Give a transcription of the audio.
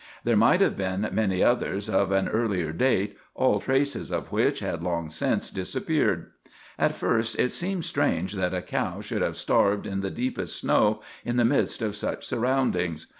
There might have been many others of an earlier date, all traces of which had long since disappeared. At first it seemed strange that a cow should have starved in the deepest snow in the midst of such surroundings.